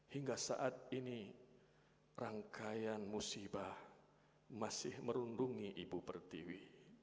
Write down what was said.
hingga saat ini rangkaian musibah masih merundungi ibu pertiwi